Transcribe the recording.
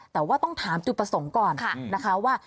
แต่ว่าต้องถามจุดประสงค์ก่อนนะคะว่า